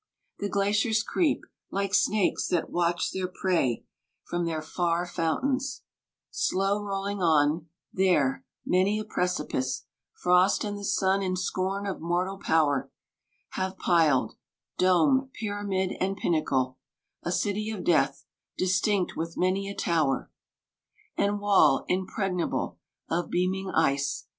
The glaciers creep Like snakes that watch their prey, from their far fountains, Slow rolling on ; there, many a precipice, Frost and the Sun in scorn of mortal power Have piled : dome, pyramid, and pinnacle, A city of death, distinct with many a tower 181 And wall impregnable of beaming ice.